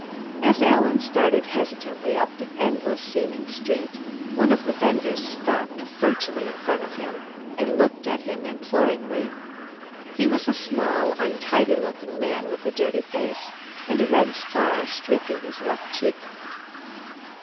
As Alan started hesitantly up the endless seeming street, one of the venders stopped virtually in front of him and looked at him imploringly. He was a small untidy looking man with a dirty face and a red scar streaking his left cheek.